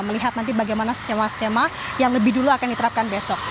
melihat nanti bagaimana skema skema yang lebih dulu akan diterapkan besok